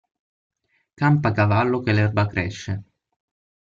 Campa cavallo che l'erba cresce.